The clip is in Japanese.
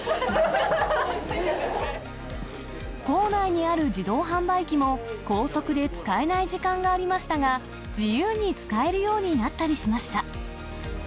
校内にある自動販売機も校則で使えない時間がありましたが、自由に使えるようになったりしました。